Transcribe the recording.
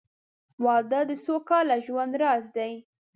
• واده د سوکاله ژوند راز دی.